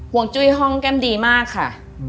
วงจุ้ยห้องแก้มดีมากค่ะ